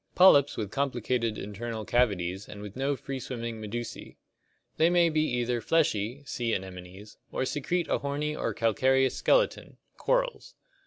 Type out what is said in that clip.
Polyps with complicated internal cavities and with no free swimming medusas. They may be either fleshy (sea anemones) or secrete a horny or calcareous skeleton (corals).